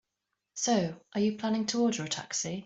So, are you planning to order a taxi?